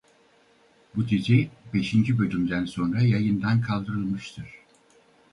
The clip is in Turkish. Bu dizi beşinci bölümden sonra yayından kaldırılmıştır.